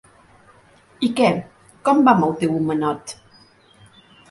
I què, com va amb el teu homenot?